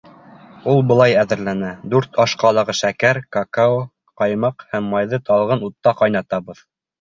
Ул былай әҙерләнә: дүрт аш ҡалағы шәкәр, какао, ҡаймаҡ һәм майҙы талғын утта ҡайнатабыҙ.